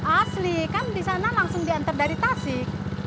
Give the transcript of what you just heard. asli kan di sana langsung diantar dari tasik